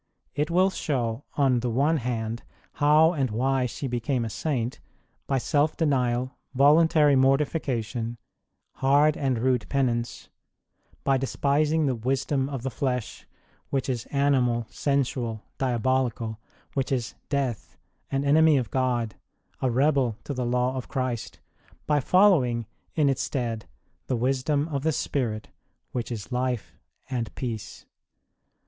It will show, on the one hand, how and why she became a saint by self denial, voluntary mortification, hard and rude penance ; by despising the wisdom of the flesh, 1 St. James iii. 15. a Rom. viii. 6. 3 Rom. viii. 7, 8. * Rom. viii. 9. INTRODUCTION 21 which is animal, sensual, diabolical, which is death, an enemy of God, a rebel to the law of Christ ; by following in its stead the wisdom of the spirit, which is life and peace.